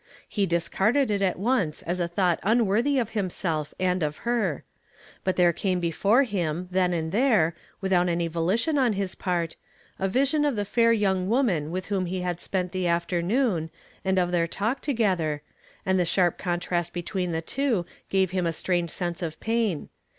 He discarded it at once as a thought unworthy of himself and of her ; but there came before him, then and there, without any volition on his part, a vision of the fair young woman with whom he had spent the afternoon, and of their talk together, and the sharp contrast between the two gave him a strange sense of pain.